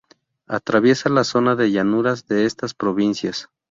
Atraviesa la zona de llanuras de estas provincias.